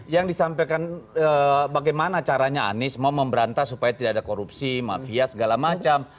yang disampaikan bagaimana caranya anies mau memberantas supaya tidak ada korupsi mafia segala macam